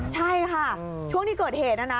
ใช่ค่ะช่วงที่เกิดเหตุนะนะ